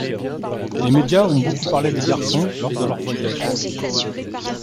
Les médias ont beaucoup parlé des garçons lors de leurs voyages.